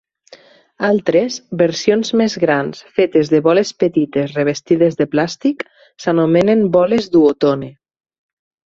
Altres, versions més grans fetes de boles petites revestides de plàstic, s'anomenen boles Duotone.